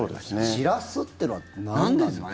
散らすっていうのは何なんですか？